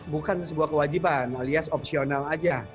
bukan sebuah kewajiban alias opsional aja